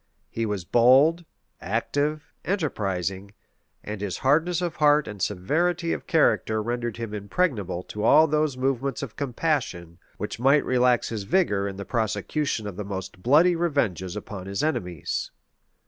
He was bold, active, enterprising; and his hardness of heart and severity of character rendered him impregnable to all those movements of compassion which might relax his vigor in the prosecution of the most bloody revenges upon his enemies.